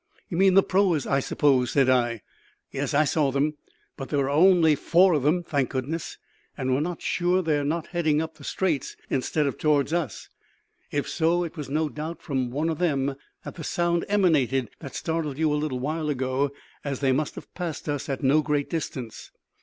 "You mean the proas, I suppose," said I. "Yes, I saw them. But there are only four of them, thank goodness. And we are not sure that they are not heading up the straits, instead of toward us. If so, it was no doubt from one of them that the sound emanated that startled you a little while ago, as they must have passed us at no great distance."